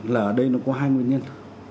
là ở đây nó có hai nguyên nhân